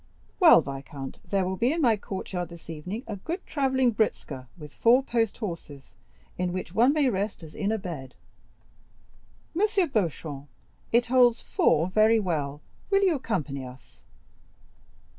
"Well, viscount, there will be in my courtyard this evening a good travelling britzka, with four post horses, in which one may rest as in a bed. M. Beauchamp, it holds four very well, will you accompany us?"